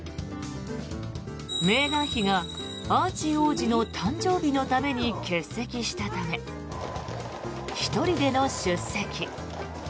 メーガン妃がアーチー王子の誕生日のために欠席したため、１人での出席。